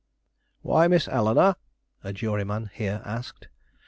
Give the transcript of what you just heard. "Why Miss Eleanore?" a juryman here asked.